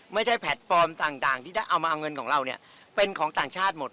แพลตฟอร์มต่างที่ได้เอามาเอาเงินของเราเนี่ยเป็นของต่างชาติหมด